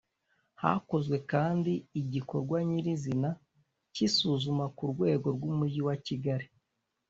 Hakozwe kandi igikorwa nyir izina cy isuzuma ku rwego rw Umujyi wakigali